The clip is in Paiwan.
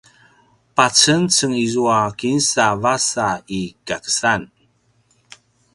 pacengceng izua kinsa vasa i kakesan